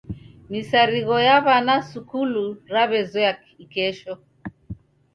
Misarigho ya w'ana sukulu raw'ezoya ikesho.